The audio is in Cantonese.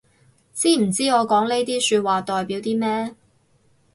知唔知我講呢啲說話代表啲咩